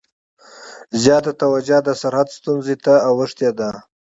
زیاته توجه د سرحد ستونزې ته اوښتې ده.